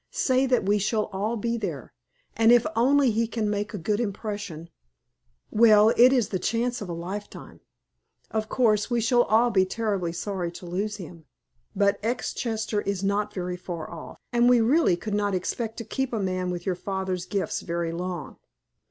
Say that we shall all be there, and if only he can make a good impression well, it is the chance of a lifetime. Of course, we shall all be terribly sorry to lose you, but Exchester is not very far off, and we really could not expect to keep a man with your father's gifts very long.